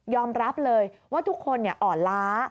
รับเลยว่าทุกคนอ่อนล้า